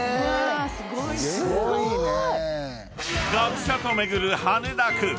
［学者と巡る羽田空港］